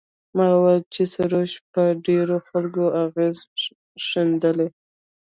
ما وویل چې سروش پر ډېرو خلکو اغېز ښندلی.